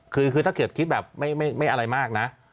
คือถ้าเกิดคิดแบบไม่อะไรมากนะ